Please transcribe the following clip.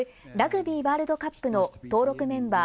ラグビーワールドカップの登録メンバー